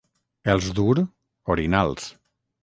Els d'Ur, orinals.